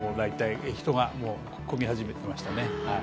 東福寺は人が混み始めていましたね。